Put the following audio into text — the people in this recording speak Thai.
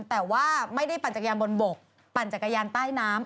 แต่ว่าไม่ได้ปั่นจักรยานบนบกปั่นจักรยานใต้น้ำ